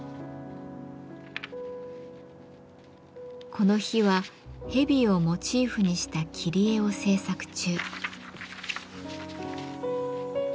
この日は蛇をモチーフにした切り絵を制作中。